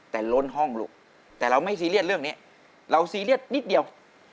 แต่ล้นห้องลูกแต่เราไม่ซีเรียสเรื่องนี้เราซีเรียสนิดเดียว